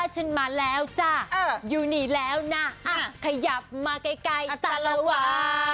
ฉันมาแล้วจ้ะอยู่นี่แล้วนะขยับมาไกลแต่ละวัน